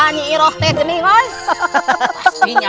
ternyata ilmu kita sangat luar biasa